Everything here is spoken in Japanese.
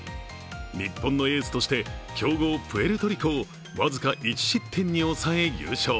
日本のエースとして強豪・プエルトリコを僅か１失点に抑え優勝。